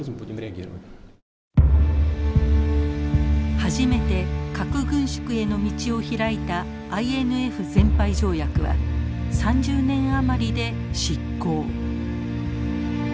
初めて核軍縮への道を開いたＩＮＦ全廃条約は３０年余りで失効。